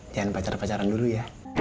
jangan pacar pacaran dulu ya